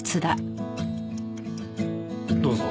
どうぞ。